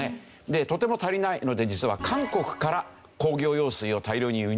でとても足りないので実は韓国から工業用水を大量に輸入した。